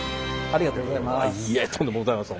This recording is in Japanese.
ありがとうございます。